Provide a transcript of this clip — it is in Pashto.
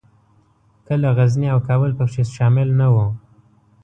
کله غزني او کابل پکښې شامل نه وو.